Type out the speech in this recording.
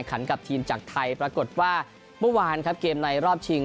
กับทีมจากไทยปรากฏว่าเมื่อวานครับเกมในรอบชิง